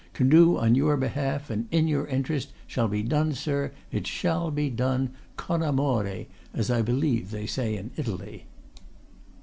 can do on your behalf and in your interest shall be done, sir, it shall be done con amore, as I believe they say in Italy."